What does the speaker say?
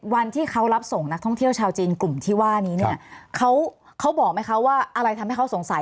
วันที่เขารับส่งนักท่องเที่ยวชาวจีนกลุ่มที่ว่านี้เนี่ยเขาเขาบอกไหมคะว่าอะไรทำให้เขาสงสัย